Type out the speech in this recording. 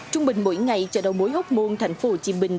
trung bình mỗi ngày chợ đầu mối hốc muôn thành phố hồ chí minh